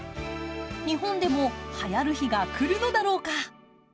日本でも、はやる日が来るのだろうか。